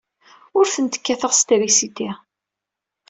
Ur tent-kkateɣ s trisiti.